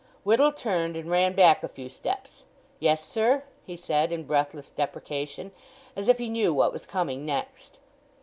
Whittle turned, and ran back a few steps. "Yes, sir," he said, in breathless deprecation, as if he knew what was coming next.